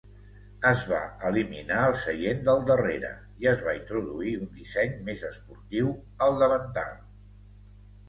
Es va eliminar el seient del darrere i es va introduir un disseny més esportiu al davantal.